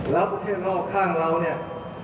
แล้วบริเวณเข้าข้างเราเนี่ย